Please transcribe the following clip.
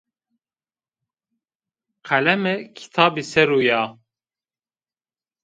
Qeleme kitabî ser o ya